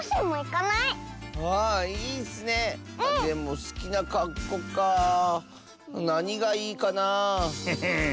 でもすきなかっこうかあなにがいいかな？へへ。